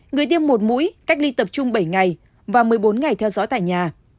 người tiêm một mũi cách ly tập trung bảy ngày và một mươi bốn ngày theo dõi tại nhà